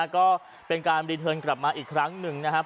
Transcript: ก็เป็นการรีเทิร์นกลับมาอีกครั้งหนึ่งนะครับ